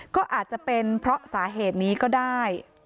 ก็อาจจะเป็นเพราะสาเหตุนี้ก็ได้